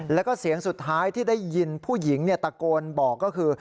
แล้วก็เสียงสุดท้ายที่ได้ยินผู้หญิงตะโกนบอกก็คือ